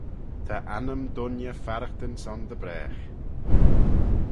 Ta annym dooinney farraghtyn son dy bragh.